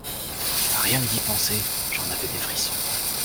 Rien que d’y penser, j'en avais des frissons.